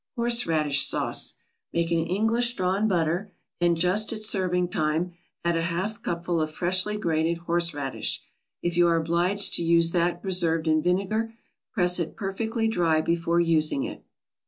HORSERADISH SAUCE Make an English drawn butter, and, just at serving time, add a half cupful of freshly grated horseradish. If you are obliged to use that preserved in vinegar, press it perfectly dry before using it.